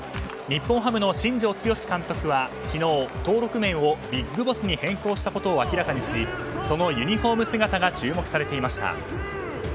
日本ハムの新庄剛志監督は昨日登録名をＢＩＧＢＯＳＳに変更したことを明らかにしそのユニホーム姿が注目されていました。